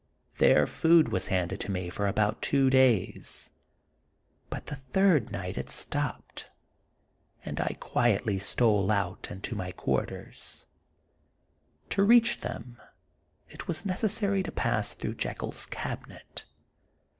There food was handed to me for about two days ; but the third night it stopped, and I quietly stole out and to my quarters. To reach them, it was necessary to pass through Jekyll's cabinet.